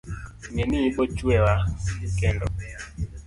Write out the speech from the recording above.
ng'e ni ibochweya kendo